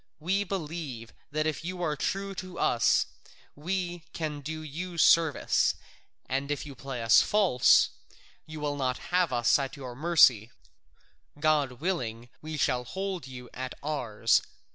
We believe that if you are true to us we can do you service, and if you play us false, you will not have us at your mercy; God willing, we shall hold you at ours.